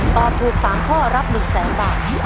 ตอบถูก๓ข้อรับ๑๐๐๐๐๐๐บาท